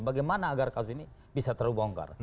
bagaimana agar kasus ini bisa terbongkar